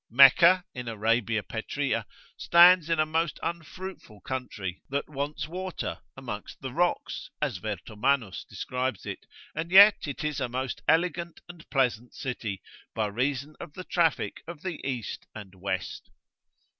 Mecca, in Arabia Petraea, stands in a most unfruitful country, that wants water, amongst the rocks (as Vertomannus describes it), and yet it is a most elegant and pleasant city, by reason of the traffic of the east and west.